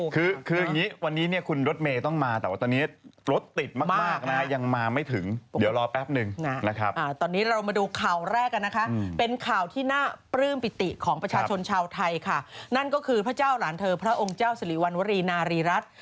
คืออย่างงี้วันนี้คุณรถเมตต้องมาแต่ว่าตอนนี้รถติดมากนะยังมาไม่ถึงเดี๋ยวรอแป๊บนึงนะครับ